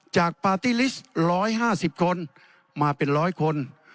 ปาร์ตี้ลิสต์๑๕๐คนมาเป็น๑๐๐คน